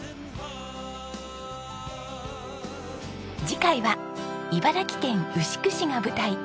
次回は茨城県牛久市が舞台。